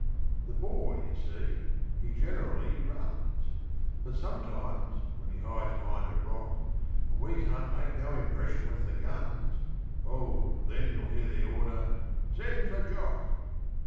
The Boer, you see, he generally runs; But sometimes when he hides behind a rock, And we can't make no impression with the guns, Oh, then you'll hear the order, 'Send for Jock!'